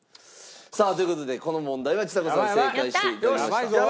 さあという事でこの問題はちさ子さん正解して頂きました。